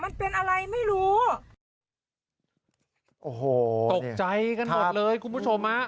มันเป็นอะไรไม่รู้โอ้โหตกใจกันหมดเลยคุณผู้ชมฮะ